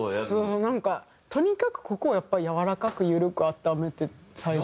なんかとにかくここをやっぱりやわらかく緩く温めて最初は。